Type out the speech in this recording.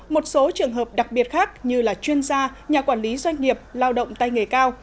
một số trường hợp đặc biệt khác như là chuyên gia nhà quản lý doanh nghiệp lao động tay nghề cao